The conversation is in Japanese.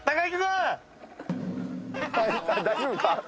大丈夫か？